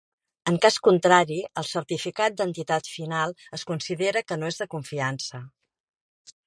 En cas contrari, el certificat d'entitat final es considera que no és de confiança.